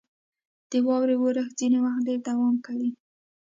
• د واورې اورښت ځینې وخت ډېر دوام کوي.